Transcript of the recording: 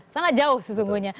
sangat jauh sesungguhnya